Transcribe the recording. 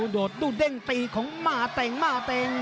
ดูเด้งตีของมาเต้งมาเต้ง